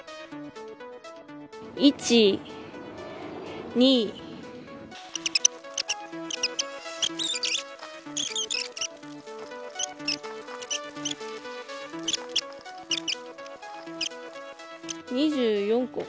１、２２４個。